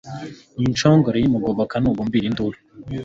Ndi inshongore y'umugoboka Nugumbira induru.